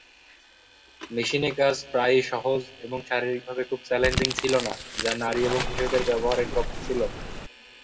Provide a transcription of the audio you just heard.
মেশিনে কাজ প্রায়ই সহজ এবং শারীরিকভাবে খুব চ্যালেঞ্জিং ছিল না, যা নারী এবং শিশুদের 'ব্যবহার' এর পক্ষে ছিল।